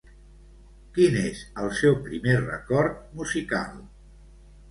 Quin és el seu primer record musical?